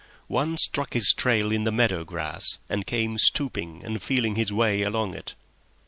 One struck his trail in the meadow grass and came stooping and feeling his way along it.